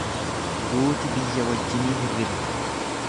Duuti biyya wajjinii hirriba.